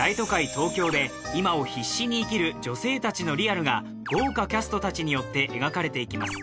東京で今を必死に生きる女性たちのリアルが豪華キャストたちによって描かれていきます